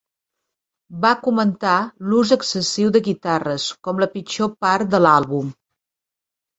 Va comentar l"ús excessiu de guitarres com la pitjor part de l"àlbum.